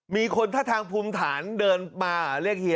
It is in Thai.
มีคนท่าทางภูมิฐานเดินมาเรียกเฮีย